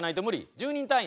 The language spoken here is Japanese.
１０人単位？